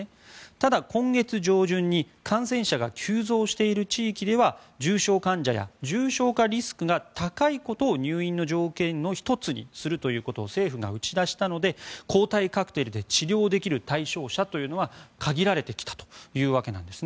ただ、今月上旬に感染者が急増している地域では重症患者や重症化リスクが高いことを入院の条件の１つとして政府が打ち出したので抗体カクテルで治療できる対象者というのは限られてきたというわけです。